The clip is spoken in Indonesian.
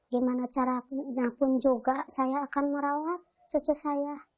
gimana caranya pun juga saya akan merawat cucu saya